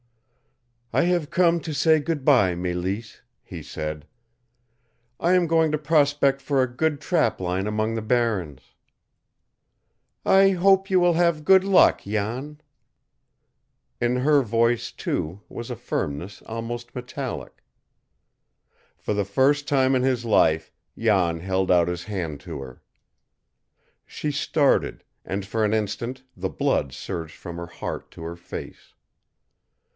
"I have come to say good by, Mélisse," he said. "I am going to prospect for a good trap line among the Barrens." "I hope you will have good luck, Jan." In her voice, too, was a firmness almost metallic. For the first time in his life Jan held out his hand to her. She started, and for an instant the blood surged from her heart to her face.